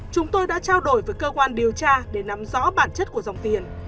chúng tôi đã trao đổi với cơ quan điều tra để nắm rõ bản chất của dòng tiền